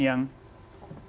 yang membawa transformasi sosial